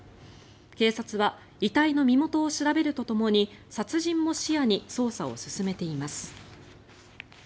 警察は遺体の身元を調べるとともに殺人も視野に捜査を進めています。